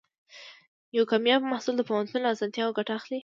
یو کامیاب محصل د پوهنتون له اسانتیاوو ګټه اخلي.